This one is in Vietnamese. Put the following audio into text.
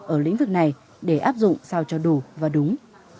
ở lĩnh vực này để áp dụng sao cho đủ và đúng